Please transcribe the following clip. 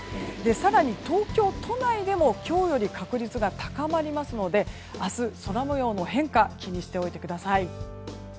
更に、東京都内でも今日より確率が高まりますので明日、空模様の変化を気にしておいてください。